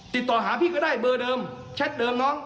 ติดต่อหาพี่ก็ได้เบอร์เดิมแชทเดิมน้อง